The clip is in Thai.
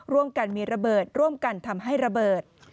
ร่วมกันมีระเบิดร่วมกันทำให้ระเบิด